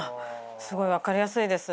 すごい分かりやすいです。